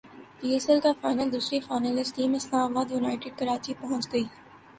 پی S L کا final دوسری finalist team اسلام باد یونائیٹڈ کراچی پہنچ گئی